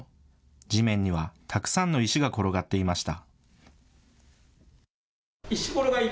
地面にはたくさんの石が転がっていました。